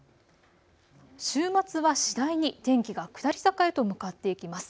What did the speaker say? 週末は次第に天気が下り坂へと向かっていきます。